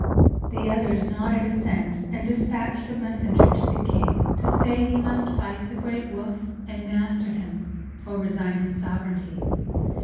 ” The others nodded assent, and dispatched a messenger to the king to say he must fight the great Woof and master him or resign his sovereignty.